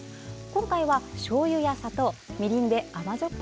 今回はしょうゆや砂糖、みりんで甘じょっ